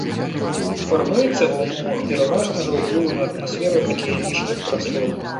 Фармуецца ва ўмовах пераважнага ўплыву на атмасферу акіянічных прастор.